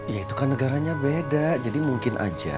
ya itu kan negaranya beda jadi mungkin aja